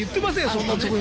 そんな。